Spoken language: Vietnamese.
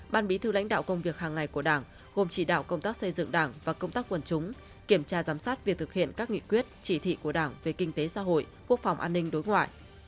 ban bí thư lãnh đạo công việc hàng ngày của đảng gồm chỉ đạo công tác xây dựng đảng và công tác quần chúng kiểm tra giám sát việc thực hiện các nghị quyết chỉ thị của đảng về kinh tế xã hội quốc phòng an ninh đối ngoại